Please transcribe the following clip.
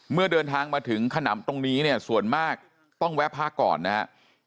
เมื่อเดินทางมาถึงขนำตรงนี้เนี่ยส่วนมากต้องแวะพักก่อนนะครับ